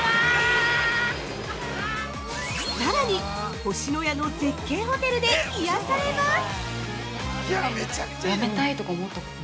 さらに、星のやの絶景ホテルで癒されます！